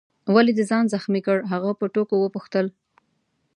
ولي دي ځان زخمي کړ؟ هغه په ټوکو وپوښتل.